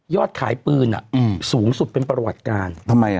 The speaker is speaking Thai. ยอดขายปืนสูงสุดเป็นประวัติการทำไมนะ